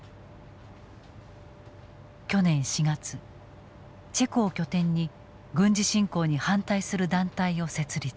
去年４月チェコを拠点に軍事侵攻に反対する団体を設立。